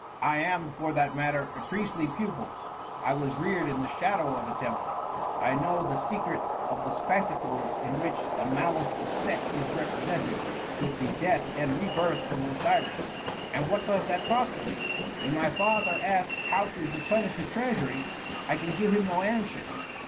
I am, for that matter, a priestly pupil. I was reared in the shadow of a temple, I know the secret of the spectacles in which the malice of Set is represented, with the death and re birth of Osiris, and what does that profit me? When my father asks how to replenish the treasury, I can give him no answer.